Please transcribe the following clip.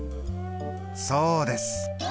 そうです。